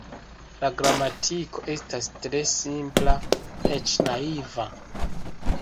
La gramatiko estas tre simpla, eĉ naiva.